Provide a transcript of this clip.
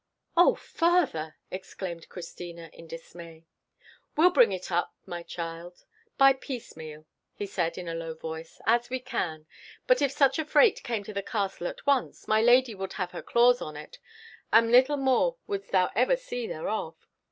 "O father!" exclaimed Christina, in dismay. "We'll bring it up, child, by piecemeal," he said in a low voice, "as we can; but if such a freight came to the castle at once, my lady would have her claws on it, and little more wouldst thou ever see thereof.